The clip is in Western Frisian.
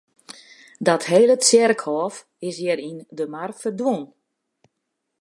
Dat hele tsjerkhôf is hjir yn de mar ferdwûn.